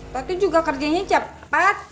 tati juga kerjanya cepet